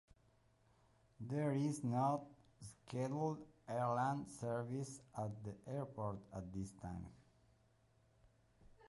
There is no scheduled airline service at the airport at this time.